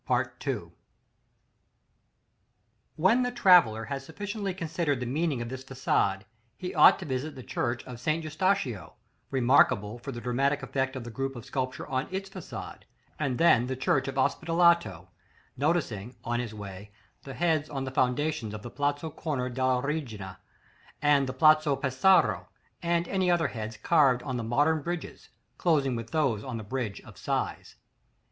§ XXII. When the traveller has sufficiently considered the meaning of this façade, he ought to visit the Church of St. Eustachio, remarkable for the dramatic effect of the group of sculpture on its façade, and then the Church of the Ospedaletto (see Index, under head Ospedaletto); noticing, on his way, the heads on the foundations of the Palazzo Corner della Regina, and the Palazzo Pesaro, and any other heads carved on the modern bridges, closing with those on the Bridge of Sighs.